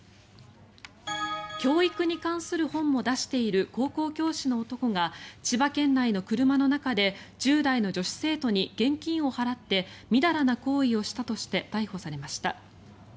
教育に関する本も出している高校教師の男が千葉県内の車の中で１０代の女子生徒に現金を払ってみだらな行為をしたとして逮捕されました。